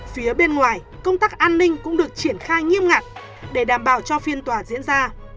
phía bên ngoài công tác an ninh cũng được triển khai nghiêm ngặt để đảm bảo cho phiên tòa diễn ra